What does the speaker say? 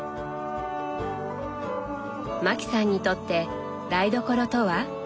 マキさんにとって台所とは？